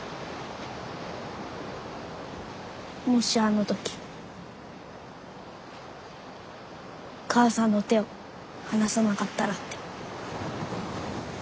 もしあの時母さんの手を離さなかったらって。